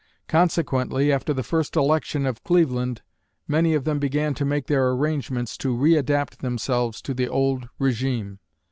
Consequently, after the first election of Cleveland, many of them began to make their arrangements to readapt themselves to the old regime.